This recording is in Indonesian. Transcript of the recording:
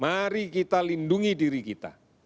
mari kita lindungi diri kita